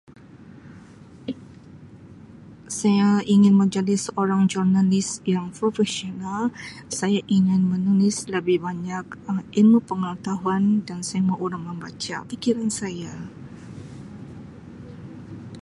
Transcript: "Saya ingin menjadi seorang ""Journalist"" yang profesional saya ingin menulis lebih banyak ilmu pengetahuan dan saya mau orang membaca fikiran saya."